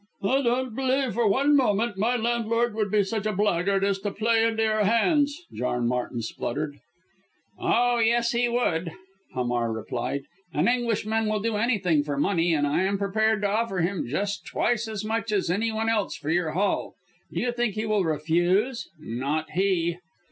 "I don't believe for one moment my landlord would be such a blackguard as to play into your hands," John Martin spluttered. "Oh, yes, he would!" Hamar replied. "An Englishman will do anything for money, and I am prepared to offer him just twice as much as any one else for your Hall. Do you think he will refuse not he!"